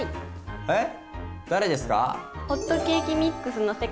え⁉誰ですか？